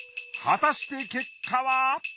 果たして結果は！？